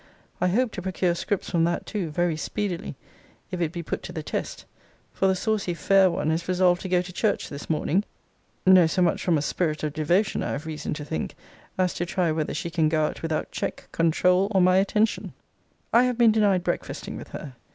I hope to procure scripts from that too, very speedily, if it be put to the test; for the saucy fair one is resolved to go to church this morning; no so much from a spirit of devotion, I have reason to think, as to try whether she can go out without check, controul, or my attention. I have been denied breakfasting with her.